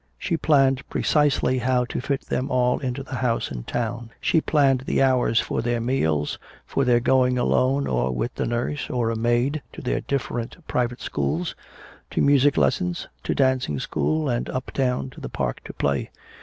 She planned precisely how to fit them all into the house in town, she planned the hours for their meals, for their going alone or with the nurse or a maid to their different private schools, to music lessons, to dancing school and uptown to the park to play.